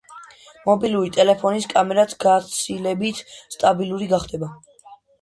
მობილური ტელეფონის კამერაც გაცილებით სტაბილური გახდება.